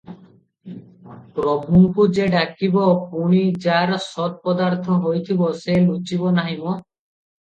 ପ୍ରଭୁଙ୍କୁ ଯେ ଡାକିବ ପୁଣି ଯାର ସତ୍ପଦାର୍ଥ ହୋଇଥିବ ସେ ଲୁଚିବନାହିଁ ମ?